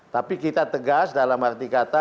tapi kita tegas dalam arti kata